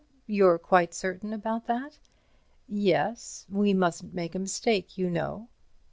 You're quite certain about that? Yes—we mustn't make a mistake, you know.